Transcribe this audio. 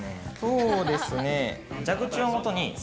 そうですね